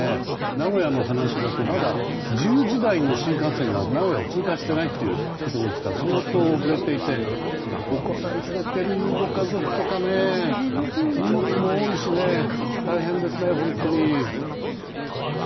名古屋の話だとまだ１０時台の新幹線が名古屋を通過していないということですから相当遅れていてお子さん連れのご家族とか荷物も多いしね大変ですね、本当に。